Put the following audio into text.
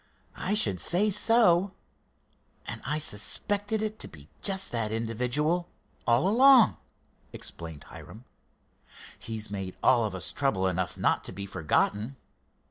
"I should say so, and I suspected it to be just that individual all along," explained Hiram. "He's made all of us trouble enough not to be forgotten."